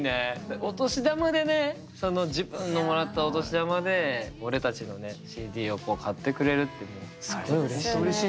お年玉でねその自分のもらったお年玉で俺たちのＣＤを買ってくれるってもうすごいうれしい。